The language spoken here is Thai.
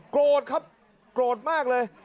โกรธครับโกรธมากเลย